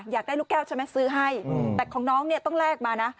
อยากได้ลูกแก้วใช่ไหมซื้อให้แต่ของน้องเนี่ยต้องแลกมานะ